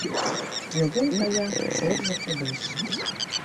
Йоген кая, серже кодеш.